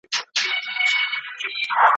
چي د سینې پر باغ دي راسي سېلاوونه.